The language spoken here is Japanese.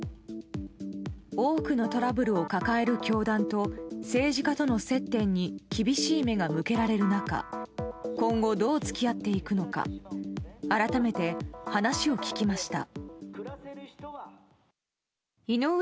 多くのトラブルを抱える教団と政治家との接点に厳しい目が向けられる中今後、どう付き合っていくのか改めて話を聞きました。